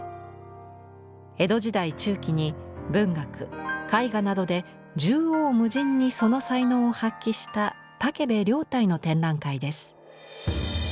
江戸時代中期に文学絵画などで縦横無尽にその才能を発揮した建部凌岱の展覧会です。